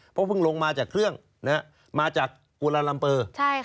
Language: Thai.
เพราะเพิ่งลงมาจากเครื่องมาจากกุลาลัมเปอร์